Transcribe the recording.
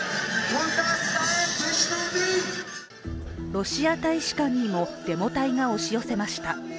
ロシア大使館にもデモ隊が押し寄せました。